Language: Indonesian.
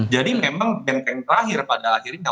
jadi memang benteng terakhir pada akhirnya